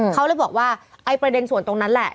เขาเลยบอกว่าไอ้ประเด็นส่วนตรงนั้นแหละ